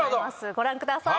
ご覧ください。